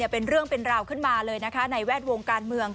เป็นเรื่องเป็นราวขึ้นมาเลยนะคะในแวดวงการเมือง